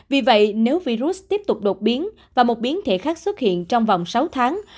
vì vậy nếu virus tiếp tục đột biến và một biến thể khác xuất hiện trong vòng sáu tháng